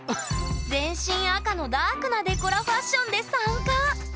全身赤のダークなデコラファッションで参加千葉！